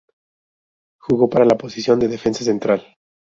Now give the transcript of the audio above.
Jugó para la posición de defensa central.